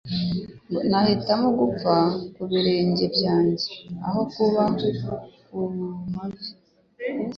Nahitamo gupfa ku birenge byanjye aho kubaho ku mavi.